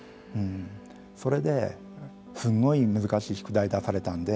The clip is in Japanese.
それですっごい難しい宿題出されたんで。